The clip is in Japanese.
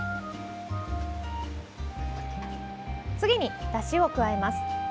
次に、だしを加えます。